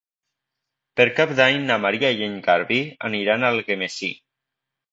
Per Cap d'Any na Maria i en Garbí aniran a Algemesí.